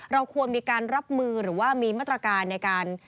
เราควรมีการรับมือหรือว่ามีมาตรการในการ